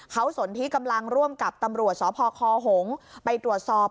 เขาสนที่กำลังร่วมกับตำรวจสพคหงษ์ไปตรวจสอบ